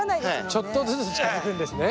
ちょっとずつ近づくんですね。